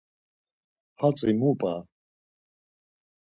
Hatzi mu p̌a?